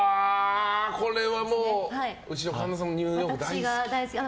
これはもう、うちの神田さんもニューヨークが大好きで。